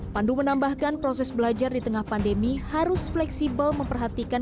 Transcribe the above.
pandu menambahkan proses belajar di tengah pandemi harus fleksibel memperhatikan